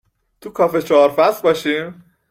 تو کافه چهار فصل باشیم